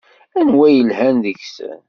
Anwa ay yelhan deg-sen?